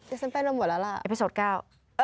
แต่ฉันเป็นมาหมดแล้วล่ะอัปโศตร์เก้า